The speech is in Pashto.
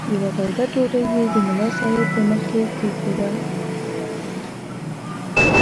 یوه توده ډوډۍ یې د ملا صاحب په مخ کې کښېښوده.